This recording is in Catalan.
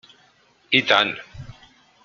I tant!